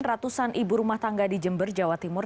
ratusan ibu rumah tangga di jember jawa timur